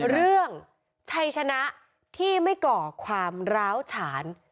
ชัยชนะที่ไม่ก่อความร้าวฉาน